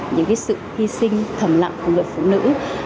những sự hy sinh thầm lặng của người phụ nữ